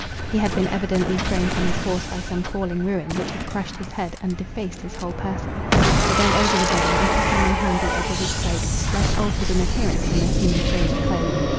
He had been evidently thrown from his horse by some falling ruin, which had crushed his head, and defaced his whole person. I bent over the body, and took in my hand the edge of his cloak, less altered in appearance than the human frame it clothed.